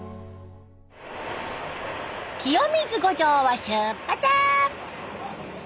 清水五条を出発！